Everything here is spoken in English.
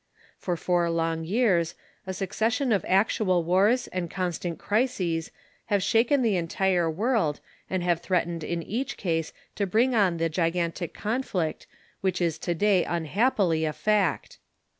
For four long years a succession of actual wars and constant crises have shaken the entire world and have threatened in each case to bring on the gigantic conflict which is today unhappily a fact.